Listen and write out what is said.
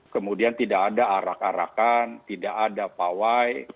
kemudian tidak ada arak arakan tidak ada pawai